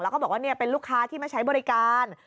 แล้วก็บอกว่าเป็นลูกค้าที่มาใช้บริการ